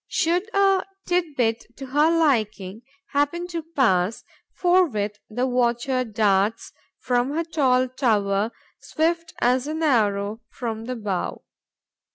Should a tit bit to her liking happen to pass, forthwith the watcher darts from her tall tower, swift as an arrow from the bow.